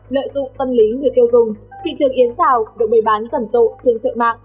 lợi tụ tâm lý người tiêu dùng thị trường yến xào được bày bán dần tộ trên chợ mạng